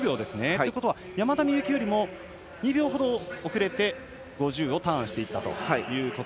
ということは山田美幸よりも２秒ほど遅れて５０をターンしました。